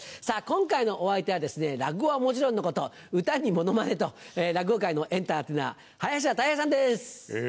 今回のお相手はですね落語はもちろんのこと歌にモノマネと落語界のエンターテイナー林家たい平さんです。